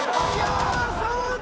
そうだ！